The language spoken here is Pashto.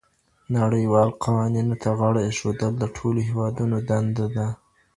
نړيوالو قوانينو ته غاړه ايښودل د ټولو هېوادونو دنده ده.